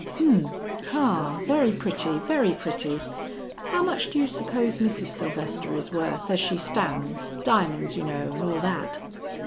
"Humph, ha, very pretty, very pretty. How much do you suppose Mrs. Sylvester is worth as she stands, diamonds you know, and all that?"